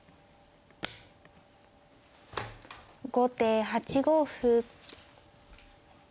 後手８五歩。